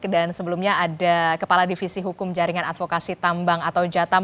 dan sebelumnya ada kepala divisi hukum jaringan advokasi tambang atau jatam